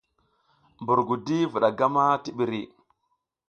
Mbur gudi vuɗa gam a ti ɓiri .